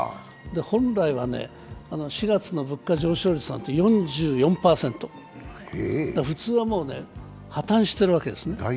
本来は４月の物価上昇率なんて４４％普通はもう破綻してるわけです。